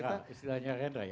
itu keren istilahnya keren